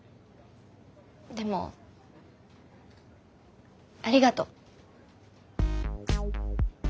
でもありがとう。